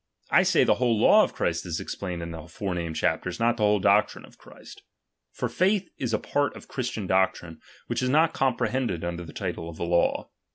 I say, the whole law of Christ is explained in the fore iiamed chapters, not the whole doctrine of Christ ; for faith is a part of Christian doctrine, which is not comprehended under the title of a law.